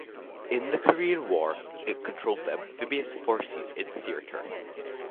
In the Korean War it controlled the amphibious forces in theatre.